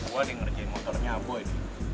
gue ada yang ngerjain motornya boy nih